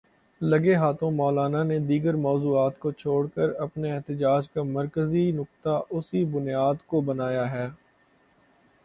لگے ہاتھوں مولانا نے دیگر موضوعات کو چھوڑ کے اپنے احتجاج کا مرکزی نکتہ اسی بنیاد کو بنایا ہے۔